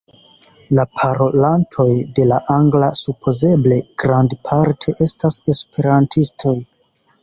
La parolantoj de la angla supozeble grandparte estas esperantistoj.